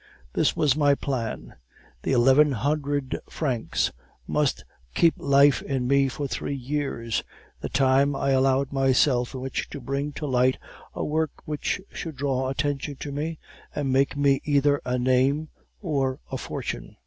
"This was my plan. The eleven hundred francs must keep life in me for three years the time I allowed myself in which to bring to light a work which should draw attention to me, and make me either a name or a fortune.